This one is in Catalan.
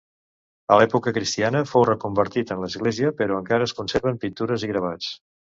A l'època cristiana, fou reconvertit en església però encara es conserven pintures i gravats.